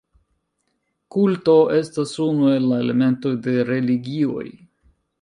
Kulto estas unu el la elementoj de religioj.